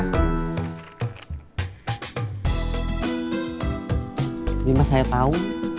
ini mah saya tau